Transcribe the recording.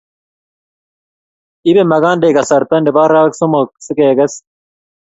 Ipe magandek kasarta nebo arawek somok si keges